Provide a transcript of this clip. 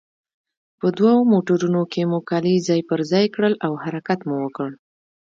په دوو موټرونو کې مو کالي ځای پر ځای کړل او حرکت مو وکړ.